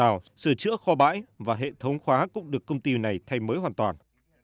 đào sửa chữa kho bãi và hệ thống khóa cũng được công ty này thay mới hoàn toàn